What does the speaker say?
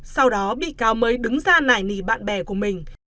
sau đó bị cáo mới đứng ra nảy nỉ bạn bè của mình